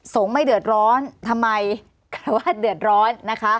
สงไม่เดือดร้อนทำไมคราวราชเดือดร้อน